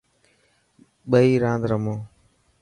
ٻئي راند رمو.